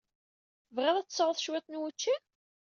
Tebɣiḍ ad tesɛuḍ cwiṭ n wučči?